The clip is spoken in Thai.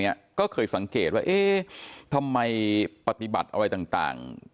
เนี้ยก็เคยสังเกตว่าเอ๊ทำไมปฏิบัติอะไรต่างต่าง